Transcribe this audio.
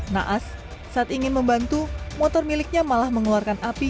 naas saat ingin membantu motor miliknya malah mengeluarkan api